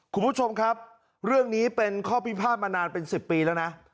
คุณผู้ชมครับเรื่องนี้เป็นข้อพิพาทมานานเป็น๑๐ปีแล้วนะ